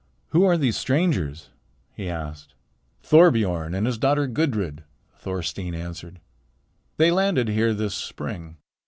"Who are these strangers?" he asked. "Thorbiorn and his daughter Gudrid," Thorstein answered. "They landed here this spring.